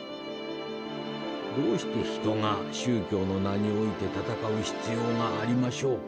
どうして人が宗教の名において戦う必要がありましょうか」。